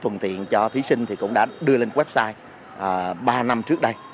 thuận tiện cho thí sinh thì cũng đã đưa lên website ba năm trước đây